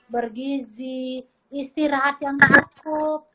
bergizi istirahat yang cukup